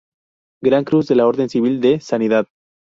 Gran Cruz de la Orden Civil de Sanidad.